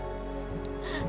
ada kabar apa bocah